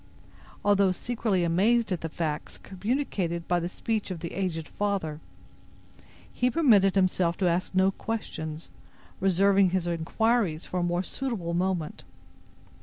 Although secretly amazed at the facts communicated by the speech of the aged father, he permitted himself to ask no questions, reserving his inquiries for a more suitable moment.